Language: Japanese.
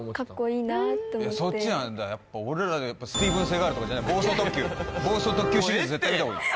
見てそっちなんだやっぱ俺らスティーヴン・セガールとかじゃない「暴走特急」「暴走特急」シリーズ絶対見た方がいい